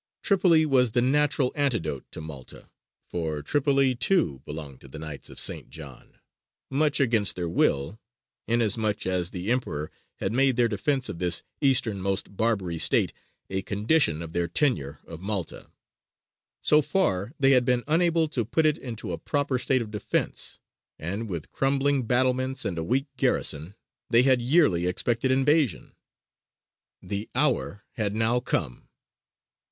Tripoli was the natural antidote to Malta: for Tripoli, too, belonged to the Knights of St. John much against their will inasmuch as the Emperor had made their defence of this easternmost Barbary state a condition of their tenure of Malta. So far they had been unable to put it into a proper state of defence, and with crumbling battlements and a weak garrison, they had yearly expected invasion. The hour had now come.